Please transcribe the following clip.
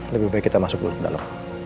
lebih baik kita masuk dulu ndalo